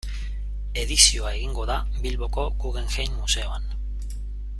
Edizioa egingo da Bilboko Guggenheim museoan.